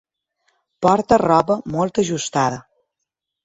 Porta roba molt ajustada.